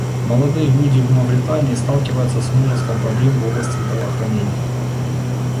Молодые люди в Мавритании сталкиваются с множеством проблем в области здравоохранения.